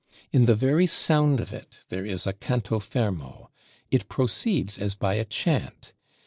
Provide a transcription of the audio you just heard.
In the very sound of it there is a canto fermo; it proceeds as by a chant.